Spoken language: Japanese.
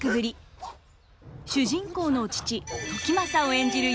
主人公の父時政を演じる